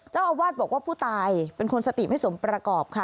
เจ้าอาวาสบอกว่าผู้ตายเป็นคนสติไม่สมประกอบค่ะ